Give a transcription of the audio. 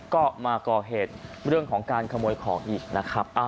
ก็มาก่อเหตุเรื่องของการขโมยของอีกนะครับ